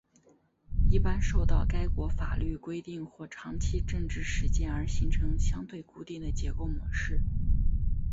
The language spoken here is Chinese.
一般受到该国法律规定或长期政治实践而形成相对固定的结构模式。